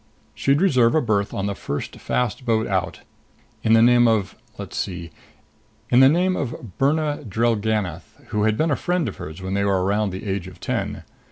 She'd reserve a berth on the first fast boat out. In the name of let's see in the name of Birna Drellgannoth, who had been a friend of hers when they were around the age of ten.